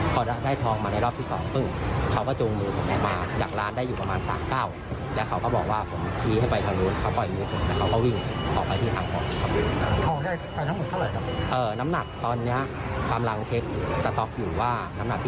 พอได้ทองมาในรอบที่สองปึ้งเขาก็จงมือของแม่มา